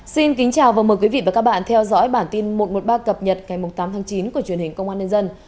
xin kính chào và mời quý vị và các bạn theo dõi bản tin một trăm một mươi ba cập nhật ngày tám tháng chín của truyền hình công an nhân dân